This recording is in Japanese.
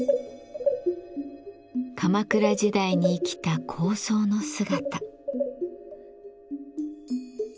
鎌倉時代に生きた高僧の姿。